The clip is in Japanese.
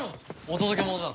お届け物だ。